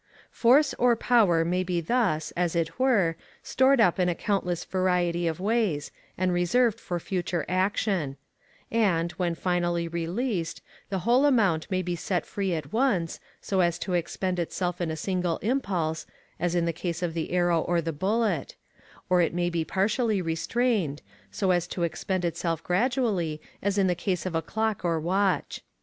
Force or power may be thus, as it were, stored up in a countless variety of ways, and reserved for future action; and, when finally released, the whole amount may be set free at once, so as to expend itself in a single impulse, as in case of the arrow or the bullet; or it may be partially restrained, so as to expend itself gradually, as in the case of a clock or watch.